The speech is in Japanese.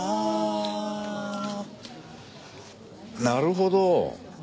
なるほど。